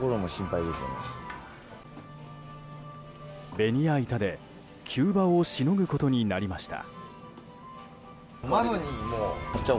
ベニヤ板で急場をしのぐことになりました。